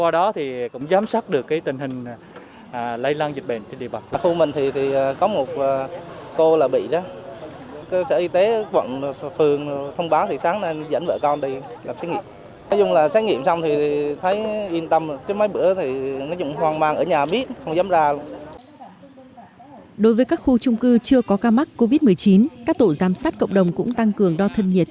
đối với các khu trung cư chưa có ca mắc covid một mươi chín các tổ giám sát cộng đồng cũng tăng cường đo thân nhiệt